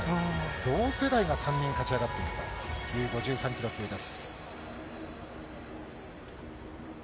同世代が３人勝ち上がっているという、５３キロ級です。